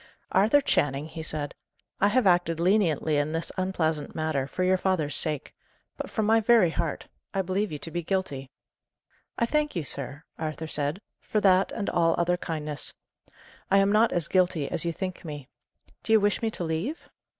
"Arthur Channing," he said, "I have acted leniently in this unpleasant matter, for your father's sake; but, from my very heart, I believe you to be guilty." "I thank you, sir," Arthur said, "for that and all other kindness. I am not as guilty as you think me. Do you wish me to leave?"